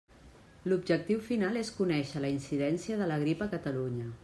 L'objectiu final és conèixer la incidència de la grip a Catalunya.